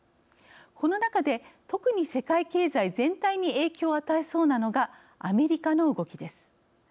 この中で、特に世界経済全体に影響を与えそうなのがアメリカの動きです。